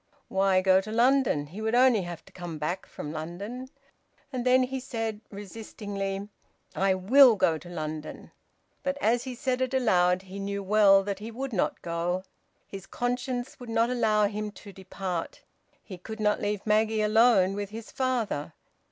Why go to London? He would only have to come back from London! And then he said resistingly, "I will go to London." But as he said it aloud, he knew well that he would not go. His conscience would not allow him to depart. He could not leave Maggie alone with his father.